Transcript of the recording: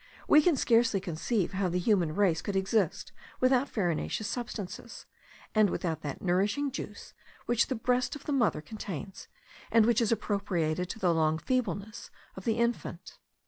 We can scarcely conceive how the human race could exist without farinaceous substances, and without that nourishing juice which the breast of the mother contains, and which is appropriated to the long feebleness of the infant.